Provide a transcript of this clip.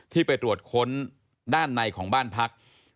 ไปตรวจค้นด้านในของบ้านพัก